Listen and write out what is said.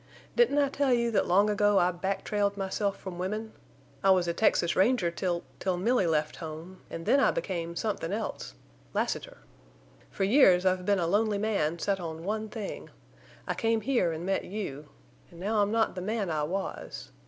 Didn't I tell you that long ago I back trailed myself from women? I was a Texas ranger till—till Milly left home, an' then I became somethin' else—Lassiter! For years I've been a lonely man set on one thing. I came here an' met you. An' now I'm not the man I was.